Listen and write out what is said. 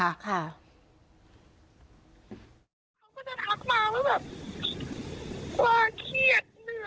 เขาก็จะทักมาว่าแบบว่าเครียดเหนื่อยอะไรประมาณนี้ค่ะ